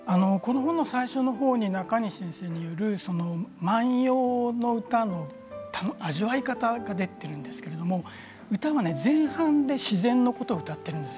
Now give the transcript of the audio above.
本の最初の本に中西先生による万葉の歌の味わい方があるんですけど歌の前半で自然のことを歌っているんです。